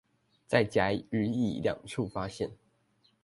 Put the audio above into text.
在甲與乙兩處發現